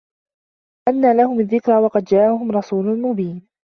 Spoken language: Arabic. أَنّى لَهُمُ الذِّكرى وَقَد جاءَهُم رَسولٌ مُبينٌ